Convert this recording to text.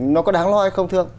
nó có đáng lo hay không thưa ông